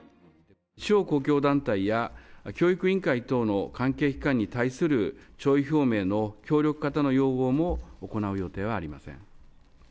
地方公共団体や教育委員会等の関係機関に対する弔意表明の協力かたの要望も行う予定はありません。